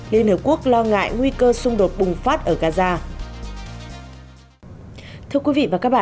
liên hợp quốc lo ngại nguy cơ xung đột bùng phát ở gaza